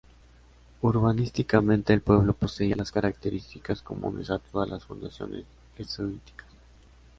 Urbanísticamente el pueblo poseía las características comunes a todas las fundaciones jesuíticas.